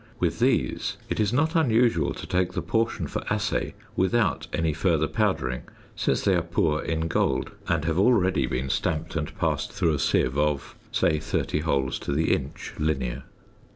With these, it is not unusual to take the portion for assay without any further powdering, since they are poor in gold, and have already been stamped and passed through a sieve of say thirty holes to the inch (linear).